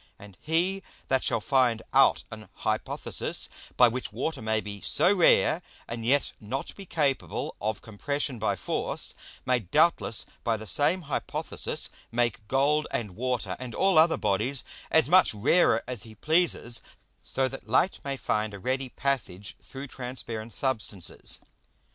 And he that shall find out an Hypothesis, by which Water may be so rare, and yet not be capable of compression by force, may doubtless by the same Hypothesis make Gold, and Water, and all other Bodies, as much rarer as he pleases; so that Light may find a ready passage through transparent Substances.